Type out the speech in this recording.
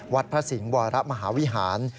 วัดพระสิงห์วรมหาวิหาร